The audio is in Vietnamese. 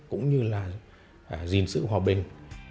cũng như là gìn sự hòa bình